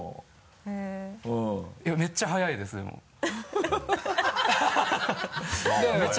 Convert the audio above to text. めっちゃ早いですでも。